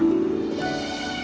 lalu kau dapat berlayar